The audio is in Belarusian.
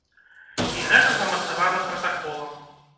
І гэта замацавана пратаколам.